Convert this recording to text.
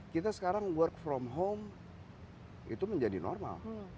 kita sekarang work from home itu menjadi normal